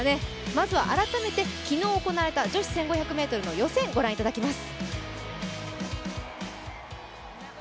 まずは改めて昨日行われた女子１５００ｍの予選をご覧いただきます。